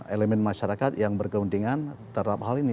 elemen masyarakat yang berkepentingan terhadap hal ini